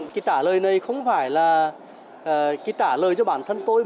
cái trả lời này không phải là cái trả lời cho bản thân tôi